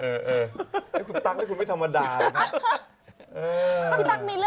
พี่ตั๊กมีเรื่องราวทุกทีเลย